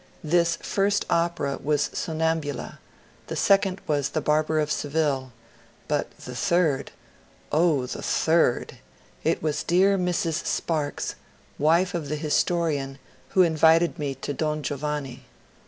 This first opera was ^^ Somnambula ;" the second was the ^^ Barber of Seville ;" but the third — Oh, the third ! It was dear Mrs. Sparks, wife of the historian, who invited me to ^^ Don Gio vanni."